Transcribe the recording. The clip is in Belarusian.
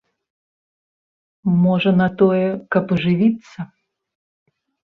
Можа, на тое, каб ажывіцца.